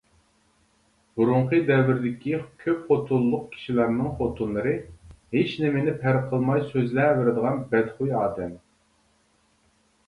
بۇرۇنقى دەۋردىكى كۆپ خوتۇنلۇق كىشىلەرنىڭ خوتۇنلىرى ھېچنېمىنى پەرق قىلماي سۆزلەۋېرىدىغان بەتخۇي ئادەم.